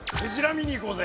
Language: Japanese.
見に行こうぜ。